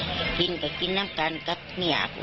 เพราะไม่เคยถามลูกสาวนะว่าไปทำธุรกิจแบบไหนอะไรยังไง